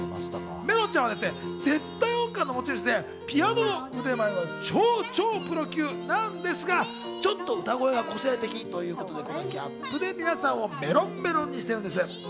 めろんちゃんは絶対音感の持ち主でピアノの腕前は超超プロ級なんですが、ちょっと歌声が個性的ということでギャップで皆さんをメロンメロンにしています。